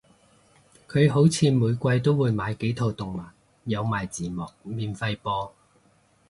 佢好似每季都會買幾套動漫有埋字幕免費播